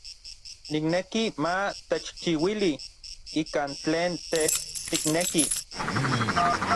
Nikneki ma techchiuili ikan tlen tej tikneki.